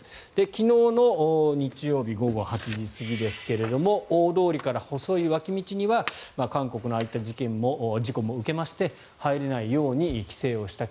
昨日の日曜日午後８時過ぎですが大通りから細い脇道には韓国のああいった事故も受けまして入れないように規制をした。